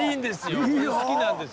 俺好きなんです。